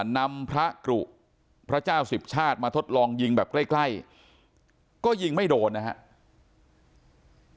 นำพระกรุพระเจ้าสิบชาติมาทดลองยิงแบบใกล้ก็ยิงไม่โดนนะครับ